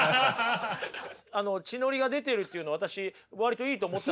あの血のりが出てるっていうの私割といいと思ったんですけど。